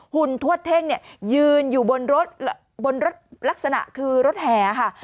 คุณทวดเท่งเนี่ยยืนอยู่บนรถบนรถลักษณะคือรถแห่ค่ะ